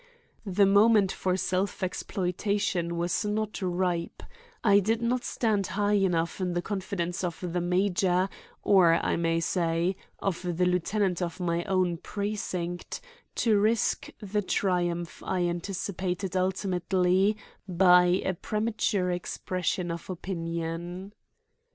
The moment for self exploitation was not ripe; I did not stand high enough in the confidence of the major, or, I may say, of the lieutenant of my own precinct, to risk the triumph I anticipated ultimately by a premature expression of opinion.